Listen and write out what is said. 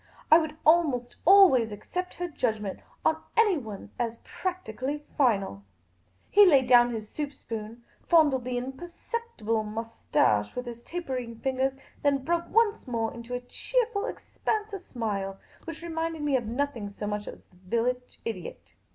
I would almost always accept her judgment on anyone as practically final." He laid down his soup spoon, fondled the imperceptible moustache with his tapering fingers, and then broke once more into a cheerful expanse of smile which reminded me of nothing so much as of the village idiot.